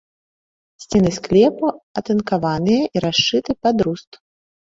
Сцены склепу атынкаваныя і расшыты пад руст.